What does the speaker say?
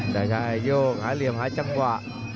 ได้ยกหาเหลี่ยมหาจังหวะ